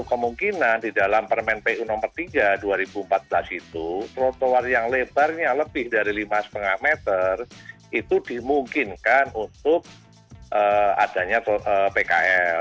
dan untuk kemungkinan di dalam permen pu no tiga dua ribu empat belas itu trotoar yang lebarnya lebih dari lima lima meter itu dimungkinkan untuk adanya pkl